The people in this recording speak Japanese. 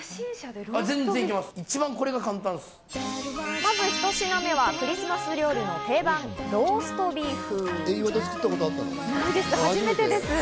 まず、ひと品目はクリスマス料理の定番、ローストビーフ。